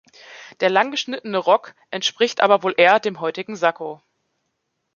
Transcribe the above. Der lang geschnittene Rock entspricht aber wohl eher dem heutigen Sakko.